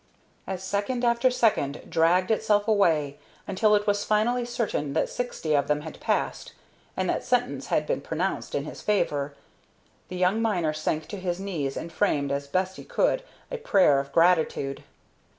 As second after second dragged itself away, until it was finally certain that sixty of them had passed, and that sentence had been pronounced in his favor, the young miner sank to his knees and framed, as best he could, a prayer of gratitude.